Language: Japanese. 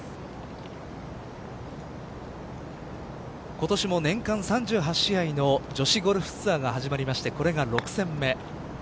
今年も年間３８試合の女子ゴルフツアーが始まりましてこれが６戦目。